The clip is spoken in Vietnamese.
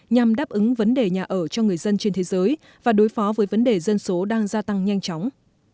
nhằm đáp ứng vấn đề nhà ở cho người dân trên thế giới và đối phó với vấn đề dân số đang gia tăng nhanh chóng